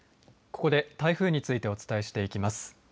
ここで、台風についてお伝えしていきます。